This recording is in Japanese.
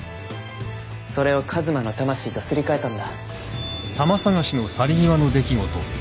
それを一馬の魂とすり替えたんだ。